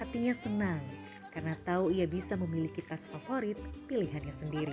hatinya senang karena tahu ia bisa memiliki tas favorit pilihannya sendiri